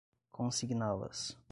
consigná-las